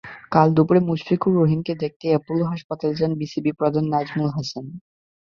কাল দুপুরে মুশফিকুর রহিমকে দেখতে অ্যাপোলো হাসপাতালে যান বিসিবিপ্রধান নাজমুল হাসান।